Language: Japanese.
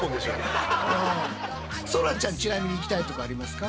そらちゃんちなみに行きたいとこありますか？